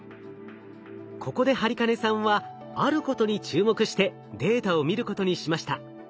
ここで播金さんはあることに注目してデータを見ることにしました。